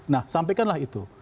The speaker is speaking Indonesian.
nah sampaikanlah itu